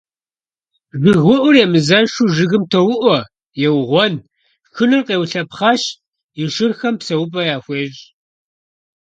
ЖыгыуIур емызэшу жыгым тоуIуэ, еугъуэн, шхыныр къеулъэпхъэщ, и шырхэм псэупIэ яхуещI.